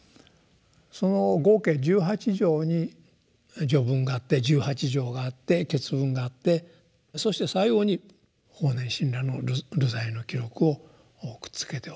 その合計十八条に「序文」があって十八条があって「結文」があってそして最後に法然親鸞の「流罪の記録」をくっつけておくと。